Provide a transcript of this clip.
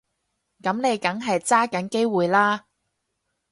噉你梗係揸緊機會啦